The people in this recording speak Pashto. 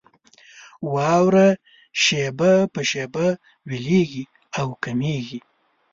واوره شېبه په شېبه ويلېږي او کمېږي.